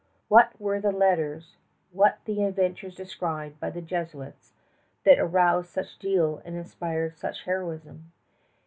What were the letters, what the adventures described by the Jesuits, that aroused such zeal and inspired such heroism?